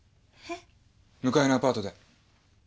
向かいのアパートで。